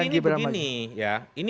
ini pandangan ya